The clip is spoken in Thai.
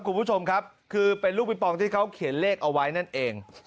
คุณผู้ชมครับคือเป็นลูกปิงปองที่เขาเขียนเลขเอาไว้นั่นเอง